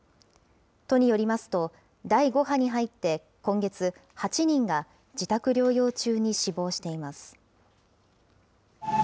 都によりますと、第５波に入って、今月、８人が自宅療養中に死亡しています。